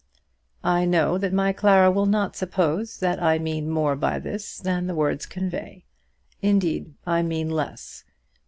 I know that my Clara will not suppose that I mean more by this than the words convey. Indeed I mean less.